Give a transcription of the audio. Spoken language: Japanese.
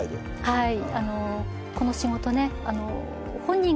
はい。